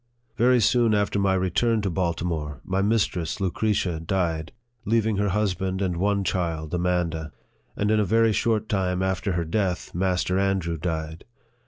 Very soon after my return to Baltimore, my mistress, Lucretia, died, leaving her husband and one child, Amanda ; and in a very short time after her death, Master Andrew died.